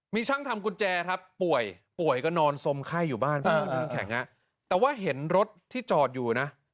มีช่างทำกุญแจครับป่วยป่วยก็นอนสมไข้อยู่บ้านพี่น้ำแข็งแต่ว่าเห็นรถที่จอดอยู่นะ